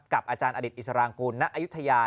อาจารย์อดิษฐอิสรางกูลณอายุทยา